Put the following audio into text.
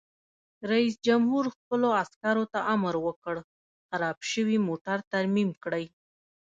رئیس جمهور خپلو عسکرو ته امر وکړ؛ خراب شوي موټر ترمیم کړئ!